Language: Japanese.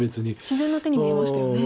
自然な手に見えましたよね。